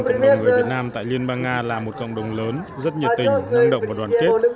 cộng đồng người việt nam tại liên bang nga là một cộng đồng lớn rất nhiệt tình năng động và đoàn kết